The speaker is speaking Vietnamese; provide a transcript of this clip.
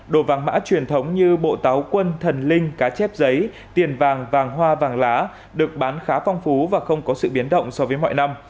đồ vàng mã truyền thống như bộ táo quân thần linh cá chép giấy tiền vàng vàng hoa vàng lá được bán khá phong phú và không có sự biến động so với mọi năm